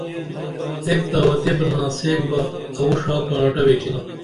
اک تہ اٰوتے برینا سیک بہ اوو ڜا پراٹہ ویچینا